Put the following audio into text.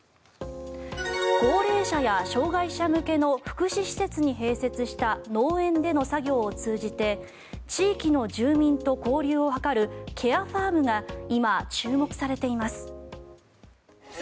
高齢者や障害者向けの福祉施設に併設した農園での作業を通じて地域の住民と交流を図るケアファームが今、注目されています。